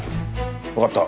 わかった。